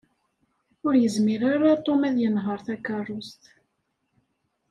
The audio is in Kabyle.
Ur yezmir ara Tom ad yenheṛ takeṛṛust.